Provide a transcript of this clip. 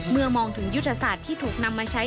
มองถึงยุทธศาสตร์ที่ถูกนำมาใช้